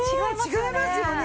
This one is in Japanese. うん違いますよね！